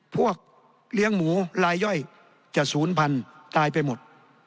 พวกเลี้ยงหมูลายย่อยจะศูนย์พันธุ์ตายไปหมด